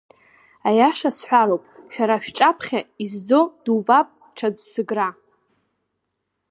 Аиаша сҳәароуп шәара шәҿаԥхьа изӡо дубап ҽаӡә зыгра.